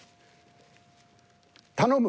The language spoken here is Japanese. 頼む！